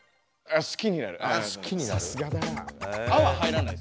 「あ好きになる」。